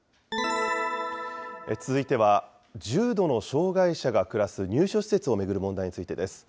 続いては、重度の障害者が暮らす入所施設を巡る問題についてです。